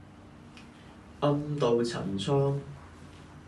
暗渡陳倉